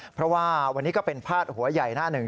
เพราะว่าวันนี้ก็เป็นพาดหัวใหญ่หน้าหนึ่ง